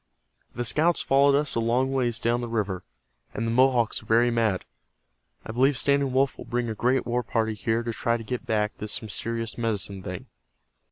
"The scouts followed us a long ways down the river, and the Mohawks are very mad. I believe Standing Wolf will bring a great war party here to try to get back this mysterious Medicine Thing."